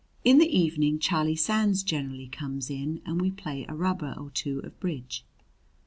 In the evening Charlie Sands generally comes in and we play a rubber or two of bridge.